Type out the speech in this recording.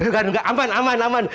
gak aman aman aman